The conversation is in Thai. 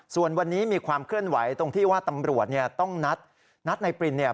ส่วนวันนี้มีความเคลื่อนไหวตรงที่ว่าตำรวจต้องนัดในปริญ